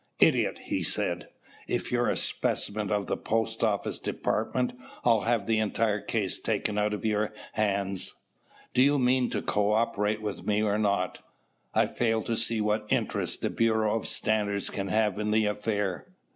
"Idiot!" he said. "If you're a specimen of the Post Office Department, I'll have the entire case taken out of your hands. Do you mean to cooperate with me or not?" "I fail to see what interest the Bureau of Standards can have in the affair."